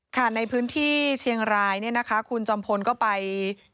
ค่ะในพื้นที่เชียงรายเนี่ยนะคะคุณจอมพลก็ไป